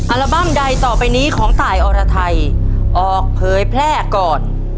อัลบั้มใดต่อไปนี้ของตายอรไทยออกเผยแพร่ก่อน